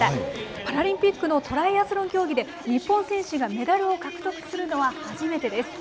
パラリンピックのトライアスロン競技で日本選手がメダルを獲得するのは初めてです。